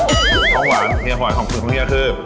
ไฟสองหวานเยียนหวานของหวานคุณคุณพี่นะคือ